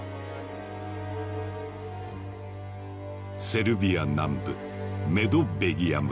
セルビア南部メドヴェギア村。